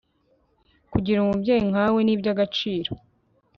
kugira umubyeyi nkawe ni byagaciro